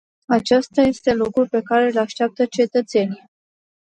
Acesta este lucrul pe care îl așteaptă cetățenii.